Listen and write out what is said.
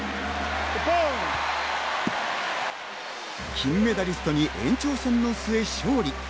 金メダリストに延長戦の末、勝利。